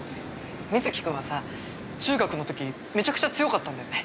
水城君はさ中学の時めちゃくちゃ強かったんだよね？